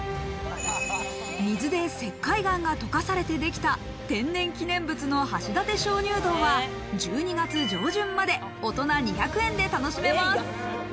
水で石灰岩が溶かされてできた天然記念物の橋立鍾乳洞は、１２月上旬まで大人２００円で楽しめます。